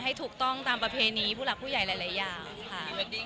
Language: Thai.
ให้ถูกต้องตามประเภทนี้ผู้รักผู้ใหญ่หลายเยาว์อะคะ